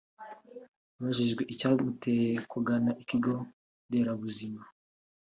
Abajijwe icyamuteye kugana Ikigo Nderabuzima